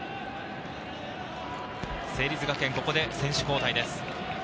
成立学園、ここで選手交代です。